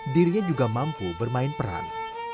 dirinya juga mampu bermain peran